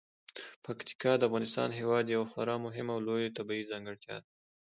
پکتیکا د افغانستان هیواد یوه خورا مهمه او لویه طبیعي ځانګړتیا ده.